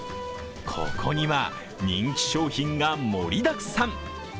ここには人気商品が盛りだくさん。